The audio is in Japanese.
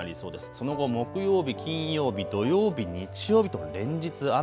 その後、木曜日、金曜日、土曜日、日曜日と連日雨。